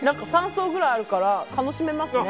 ３層くらいあるから楽しめます。